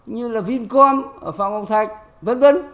như là vincom ở phạm ngọc thạch vân vân